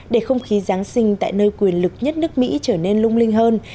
để không khí giáng sinh tại nơi quyền lực nhất nước mỹ trở nên lung linh hơn